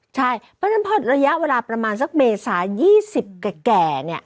ใช่เพราะฉะนั้นพอระยะเวลาประมาณสักเมษา๒๐แก่เนี่ย